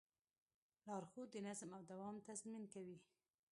لارښود د نظم او دوام تضمین کوي.